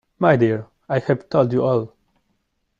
My dear, I have told you all.